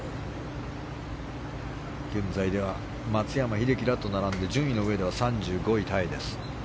現在、松山英樹らと並んで順位の上では３５位タイです。